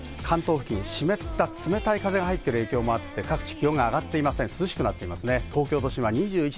湿った冷たい風が入っている影響があって各地気温が上がっていません。